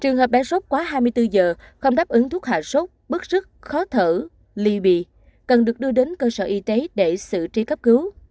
trường hợp bé sốt quá hai mươi bốn giờ không đáp ứng thuốc hạ sốt bức khó thở ly bị cần được đưa đến cơ sở y tế để xử trí cấp cứu